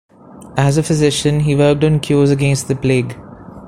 As a physician he worked on cures against the plague.